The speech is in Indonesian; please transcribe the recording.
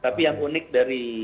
tapi yang unik dari